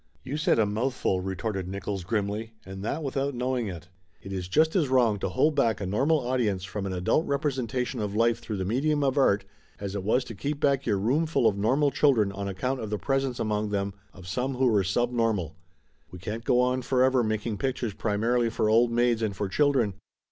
"You said a mouthful," retorted Nickolls grimly, "and that without knowing it. It is just as wrong to hold back a normal audience from an adult representa tion of life through the medium of art, as it was to keep back your roomful of normal children on account of the presence among them of some who were sub normal. We can't go on forever making pictures pri marily for old maids and for children